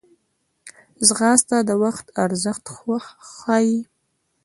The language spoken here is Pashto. ځغاسته د وخت ارزښت ښووي